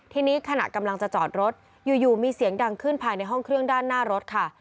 ทีนี้ขณะกำลังจะจอดรถอยู่มีเสียงดังขึ้นภายในห้องเครื่องด้านหน้ารถค่ะ